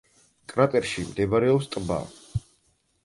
კრატერში მდებარეობს ტბა.